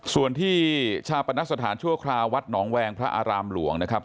ส่วนที่ชาปนสถานชั่วคราววัดหนองแวงพระอารามหลวงนะครับ